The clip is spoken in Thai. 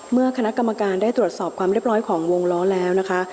เมื่อคณะกรรมการได้ตรวจสอบความเรียบร้อยของวงล้อแล้วนะคะ